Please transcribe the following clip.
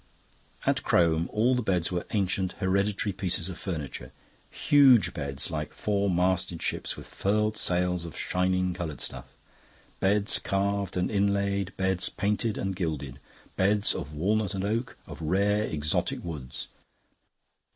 At Crome all the beds were ancient hereditary pieces of furniture. Huge beds, like four masted ships, with furled sails of shining coloured stuff. Beds carved and inlaid, beds painted and gilded. Beds of walnut and oak, of rare exotic woods.